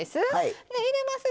入れます